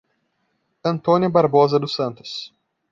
Antônia Barbosa dos Santos